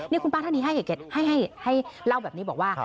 นี่คุณป้าท่านนี้ให้เล่าแบบนี้บอกว่า